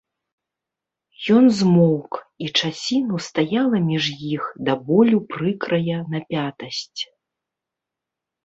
Ён змоўк, і часіну стаяла між іх да болю прыкрая напятасць.